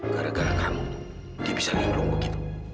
gara gara kamu dia bisa linglung begitu